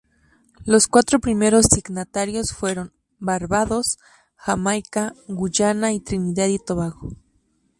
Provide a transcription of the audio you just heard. Los cuatro primeros signatarios fueron Barbados, Jamaica, Guyana y Trinidad y Tobago.